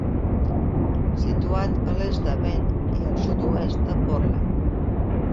Situat a l'est de Bend i al sud-est de Portland.